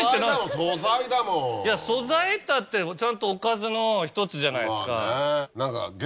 素材っていったってちゃんとおかずの１つじゃないですか。